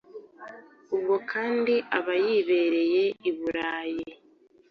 Ubwo kandi aba yibereye i Burayi.